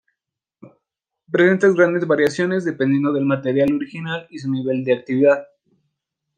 Presenta grandes variaciones, dependiendo del material original y su nivel de actividad.